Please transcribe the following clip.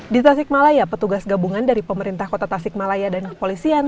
di tasik malaya petugas gabungan dari pemerintah kota tasik malaya dan kepolisian